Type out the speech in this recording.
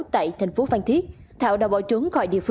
tại tp van thiết thảo đã bỏ trốn